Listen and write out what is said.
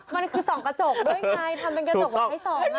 มันยังคือส่องกระจกด้วยไง